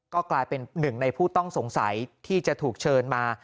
ก็กลายเป็นหนึ่งในผู้ต้องสงสัยที่จะถูกเชิญมา